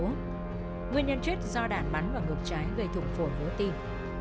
nguyên nhân chết do đạn bắn vào ngược trái gây thụng phổ vố tim